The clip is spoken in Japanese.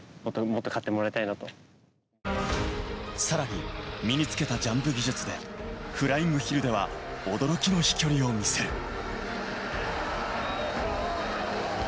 さらに身につけたジャンプ技術で、フライングヒルでは、驚きの飛距離を見せる。